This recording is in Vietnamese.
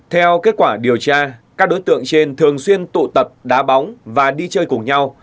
theo kết quả điều tra các đối tượng trên thường xuyên tụ tập đá bóng và đi chơi cùng nhau